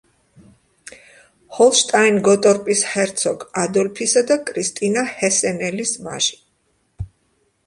ჰოლშტაინ-გოტორპის ჰერცოგ ადოლფისა და კრისტინა ჰესენელის ვაჟი.